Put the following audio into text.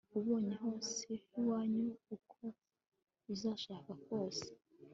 ubonye hose h'iwanyu uko uzashaka kose